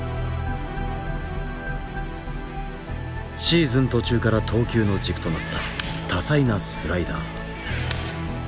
シーズン途中から投球の軸となった多彩なスライダー。